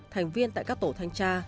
thành viên tại các tổ thanh tra